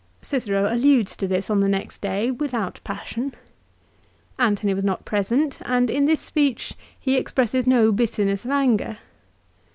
Cicero alludes to this on the next day without passion. ' Antony was not present, and in this speech he expresses no bitterness of anger.